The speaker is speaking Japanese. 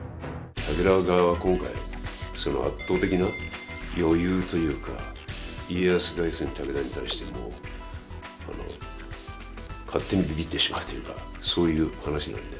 武田側は今回その圧倒的な余裕というか家康が要するに武田に対しても勝手にびびってしまうというかそういう話なんで。